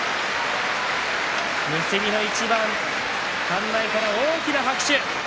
結びの一番館内から大きな拍手。